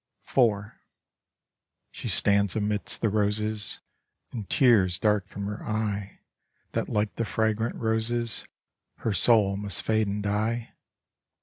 IV She stands amidst the roses, and tears dart from her eye that like the fragrant roses her soul must fade and die.